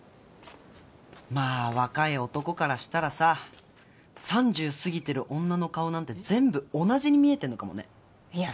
まあ若い男からしたらさ３０過ぎてる女の顔なんて全部同じに見えてんのかもねいや